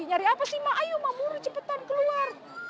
lari apa sih ma ayo ma buru cepetan keluar